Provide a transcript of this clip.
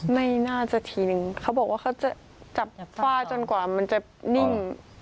ไม่น่าจะทีนึงเขาบอกว่าเขาจะจับฝ้าจนกว่ามันจะนิ่ง